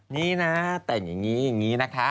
นี่นะแต่งอย่างนี้อย่างนี้นะคะ